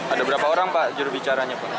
ada berapa orang pak juru bicaranya